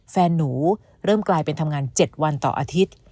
แฟนหนูเริ่มกลายเป็นทำงาน๗วันต่ออาทิตย์